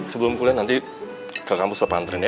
sebelum kuliah nanti ke kampus papa anterin ya